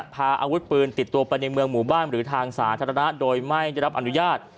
พาอาวุธปืนติดตัวไปในเมืองหมู่บ้านหรือทางสาธารณะโดยไม่ได้รับอนุญาต